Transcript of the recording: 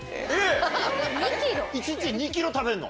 １日２キロ食べるの？